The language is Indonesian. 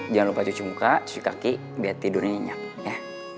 jangan lupa cuci muka cuci kaki biar tidurnya nyenyak ya